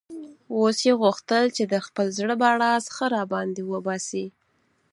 اوس یې غوښتل چې د خپل زړه بړاس ښه را باندې وباسي.